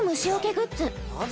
グッズ